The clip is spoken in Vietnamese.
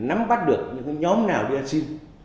nắm bắt được những nhóm nào đi ăn xin